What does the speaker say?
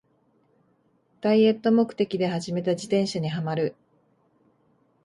ダイエット目的で始めた自転車にハマる